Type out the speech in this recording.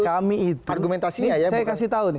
kami itu argumentasi saya kasih tahu nih